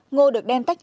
ngô được đem vào nhà